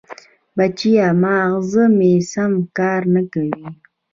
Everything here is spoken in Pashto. بچیه! ماغزه مې سم کار نه کوي.